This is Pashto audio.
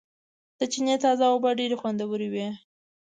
د چينې تازه اوبه ډېرې خوندورېوي